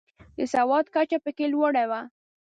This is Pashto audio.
د سواد کچه پکې لوړه وه.